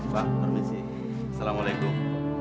pak permisi assalamualaikum